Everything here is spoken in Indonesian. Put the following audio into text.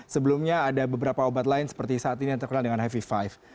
sebelumnya ada beberapa obat lain seperti saat ini yang terkenal dengan heavy five